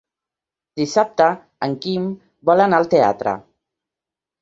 Dissabte en Quim vol anar al teatre.